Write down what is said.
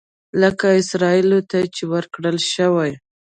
لکه اسرائیلو ته چې ورکړل شوي.